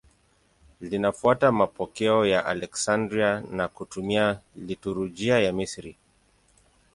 Linafuata mapokeo ya Aleksandria na kutumia liturujia ya Misri.